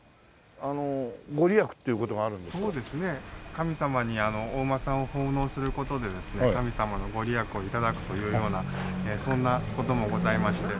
神様にお馬さんを奉納する事でですね神様の御利益を頂くというようなそんな事もございまして。